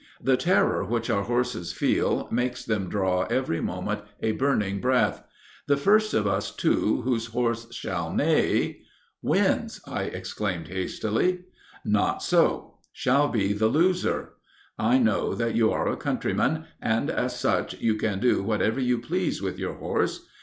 The terror which our horses feel, makes them draw every moment a burning breath. The first of us two whose horse shall neigh, " "'Wins!' I exclaimed, hastily." "'Not so; shall be looser. I know that you are a countryman, and, as such, you can do whatever you please with your horse.